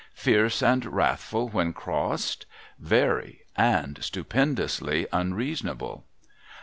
Fierce and wrathful when crossed? Very, and stupendously unreasonable.